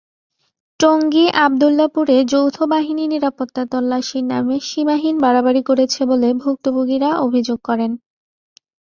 টঙ্গী-আবদুল্লাহপুরে যৌথ বাহিনী নিরাপত্তা তল্লাশির নামে সীমাহীন বাড়াবাড়ি করেছে বলে ভুক্তভোগীরা অভিযোগ করেন।